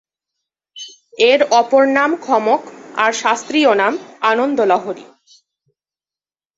এর অপর নাম ‘খমক’, আর শাস্ত্রীয় নাম ‘আনন্দলহরী’।